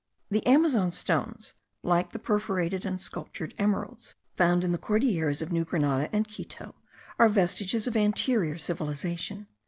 The Amazon stones, like the perforated and sculptured emeralds, found in the Cordilleras of New Grenada and Quito, are vestiges of anterior civilization.